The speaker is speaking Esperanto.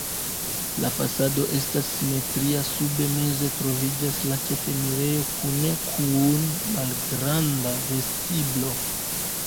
La fasado estas simetria, sube meze troviĝas la ĉefenirejo kune kun malgranda vestiblo.